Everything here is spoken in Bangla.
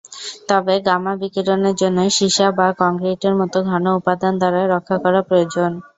তবে গামা বিকিরণের জন্য সীসা বা কংক্রিটের মতো ঘন উপাদান দ্বারা রক্ষা করা প্রয়োজন।